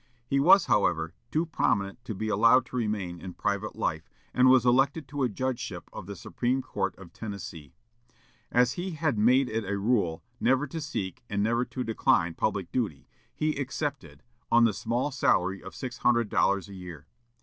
He was, however, too prominent to be allowed to remain in private life, and was elected to a judgeship of the Supreme Court of Tennessee. As he had made it a rule "never to seek and never to decline public duty," he accepted, on the small salary of six hundred dollars a year.